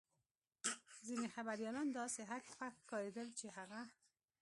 ځینې خبریالان داسې هک پک ښکارېدل چې هغه.